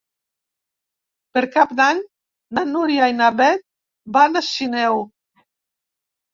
Per Cap d'Any na Núria i na Beth van a Sineu.